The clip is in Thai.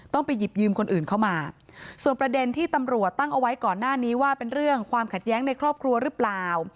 ไปหยิบยืมคนอื่นเข้ามาส่วนประเด็นที่ตำรวจตั้งเอาไว้ก่อนหน้านี้ว่าเป็นเรื่องความขัดแย้งในครอบครัวหรือเปล่า